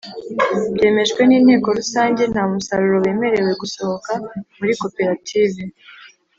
Byemejwe n’Inteko Rusange ntamusaruro wemerewe gusohoka muri koperative